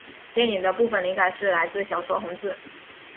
电影的部份灵感是来自小说红字。